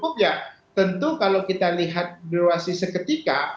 kalau ditanya durasi waktu itu cukup ya tentu kalau kita lihat durasi seketika